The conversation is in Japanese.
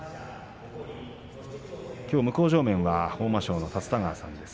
きょう、向正面は豊真将の立田川さんです。